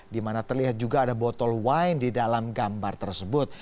di mana terlihat juga ada botol wine di dalam gambar tersebut